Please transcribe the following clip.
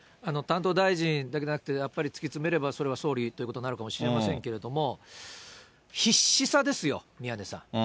担当大臣だけじゃなくて、やっぱり突き詰めれば、やっぱりそれは総理ということになるのかもしれませんけれども、必死さですよ、宮根さん。